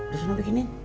lu seneng bikinin